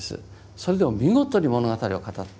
それでも見事に物語を語ってる。